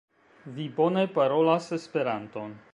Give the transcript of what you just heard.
Vi bone parolas Esperanton.